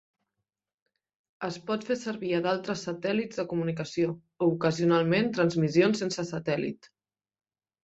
Es pot fer servir a d'altres satèl·lits de comunicació, o ocasionalment a transmissions sense satèl·lit.